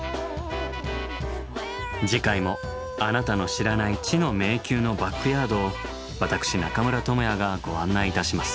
次回もあなたの知らない「知の迷宮のバックヤード」を私中村倫也がご案内いたします。